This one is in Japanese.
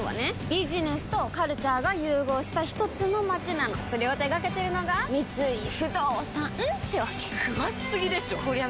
ビジネスとカルチャーが融合したひとつの街なのそれを手掛けてるのが三井不動産ってわけ詳しすぎでしょこりゃ